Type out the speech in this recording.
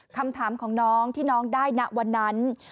คำถามของน้องที่น้องได้ณวันนั้น